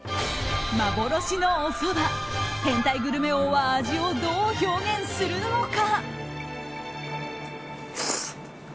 幻のおそば、変態グルメ王は味をどう表現するのか？